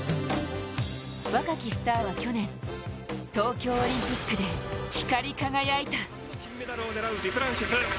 若きスターは去年、東京オリンピックで光り輝いた。